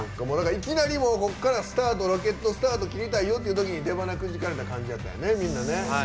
いきなりここからロケットスタート切りたいよっていうときに出ばなくじかれた感じやったんやねみんなね。